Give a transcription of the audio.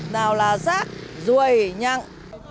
nào là rác rùi nhặng